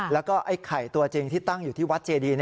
แล้วก็ไอ้ไข่ตัวจริงที่ตั้งอยู่ที่วัดเจดี